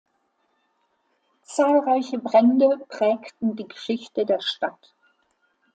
Zahlreiche Brände prägten die Geschichte der Stadt.